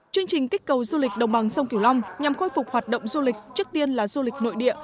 chương trình kích cầu du lịch đồng bằng sông kiều long nhằm khôi phục hoạt động du lịch trước tiên là du lịch nội địa